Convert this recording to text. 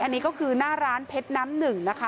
อันนี้ก็คือหน้าร้านเพชรน้ำหนึ่งนะคะ